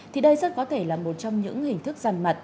thì đây rất có thể là một trong những hình thức gian mặt